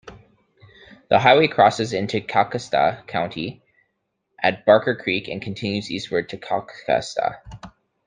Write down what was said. The highway crosses into Kalkaska County at Barker Creek and continues eastward to Kalkaska.